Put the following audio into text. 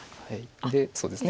でそうですね。